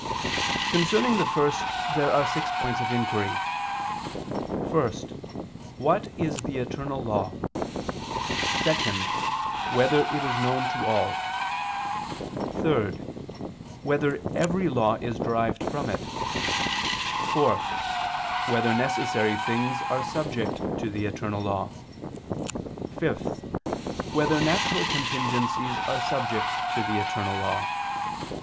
Concerning the first there are six points of inquiry: (1) What is the eternal law? (2) Whether it is known to all? (3) Whether every law is derived from it? (4) Whether necessary things are subject to the eternal law? (5) Whether natural contingencies are subject to the eternal law?